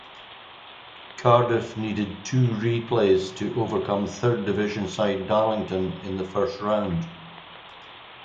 Cardiff needed two replays to overcome Third Division side Darlington in the first round.